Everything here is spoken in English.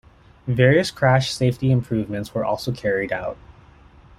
Various crash safety improvements were also carried out.